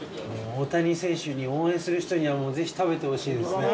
大谷選手を応援する人には、ぜひ食べてほしいですね。